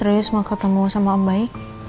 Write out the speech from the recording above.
rena serius mau ketemu sama om baik